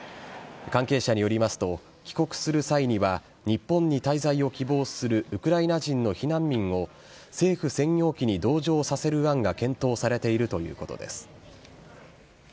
関係者によりますと、帰国する際には、日本に滞在を希望するウクライナ人の避難民を政府専用機に同乗させる案が検討されているということです。